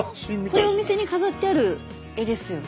これお店に飾ってある絵ですよね。